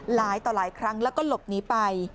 หลายต่อหลายครั้งแล้วก็หลบหนีไป